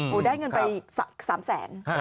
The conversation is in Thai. หูยได้เงินไป๓แสน